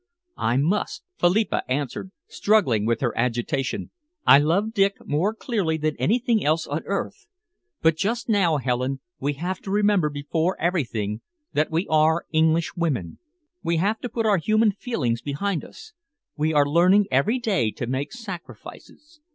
"I must," Philippa answered, struggling with her agitation. "I love Dick more dearly than anything else on earth, but just now, Helen, we have to remember, before everything, that we are English women. We have to put our human feelings behind us. We are learning every day to make sacrifices.